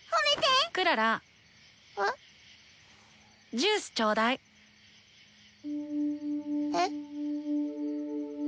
ジュースちょうだい。え？